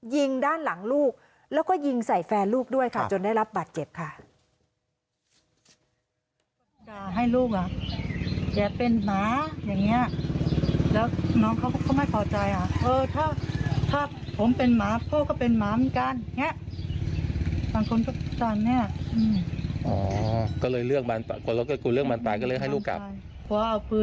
ยิงด้านหลังลูกแล้วก็ยิงใส่แฟนลูกด้วยค่ะจนได้รับบาดเจ็บค่ะ